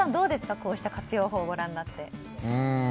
こうした活用法をご覧になって。